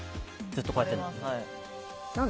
ずっとこうやってるの。